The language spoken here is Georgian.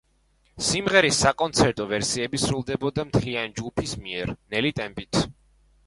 სიმღერის საკონცერტო ვერსიები სრულდებოდა მთლიანი ჯგუფის მიერ, ნელი ტემპით.